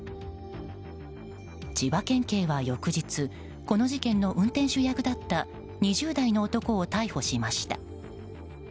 千葉県警は翌日この事件の運転手役だった２０代の男を逮捕しました。